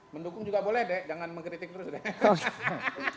mendukung juga boleh deh jangan mengkritik terus deh